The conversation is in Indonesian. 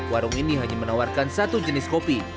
warung ini hanya menawarkan satu jenis kopi